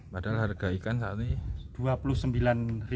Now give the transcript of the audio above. padahal harga ikan saat ini